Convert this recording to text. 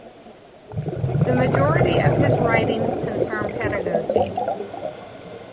The majority of his writings concern pedagogy.